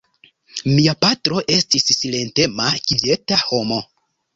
Mia patro estis silentema kvieta homo.